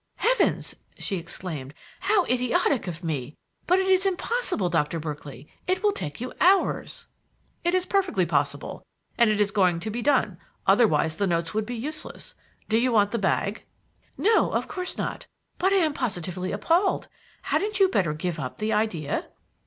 "Heavens!" she exclaimed. "How idiotic of me! But it is impossible, Doctor Berkeley! It will take you hours!" "It is perfectly possible, and it is going to be done; otherwise the notes would be useless. Do you want the bag?" "No, of course not. But I am positively appalled. Hadn't you better give up the idea?"